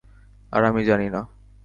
আর আমি জানি না।